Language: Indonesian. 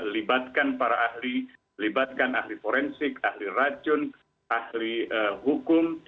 libatkan para ahli libatkan ahli forensik ahli racun ahli hukum